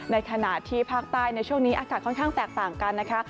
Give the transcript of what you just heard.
ในขณะที่ภาคใต้ในช่วงนี้อากาศค่อนข้างแตกต่างกันนะคะ